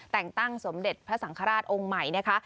แต่งตั้งสมเด็จพระสังฆราชองค์ใหม่นะคะ